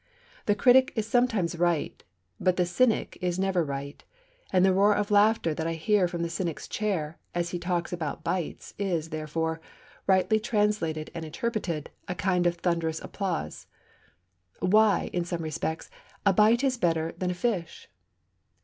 The critic is sometimes right, but the cynic is never right; and the roar of laughter that I hear from the cynic's chair, as he talks about bites, is, therefore, rightly translated and interpreted, a kind of thunderous applause. Why, in some respects, a bite is better than a fish.